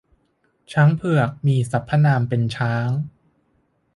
ช้างเผือก มีสรรพนามเป็นช้าง